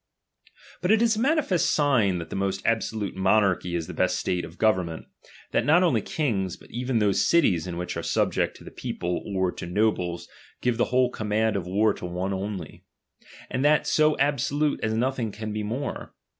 But it is a manifest sign that the most ab 1 Solute monarchy is the best state of government, Z tliat not only kings, but even those cities which" a i e subject to the people or to nobles, give the 'Vhole command of war to one only ; and that so ^tsolute, as nothing can be more.